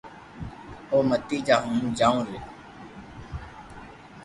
تو متي جا ھون جاو رھيو